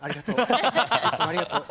いつもありがとう。